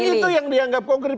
itu yang dianggap konkret